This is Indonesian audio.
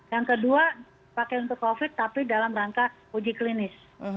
yang kedua pakai untuk covid tapi dalam rangka uji klinis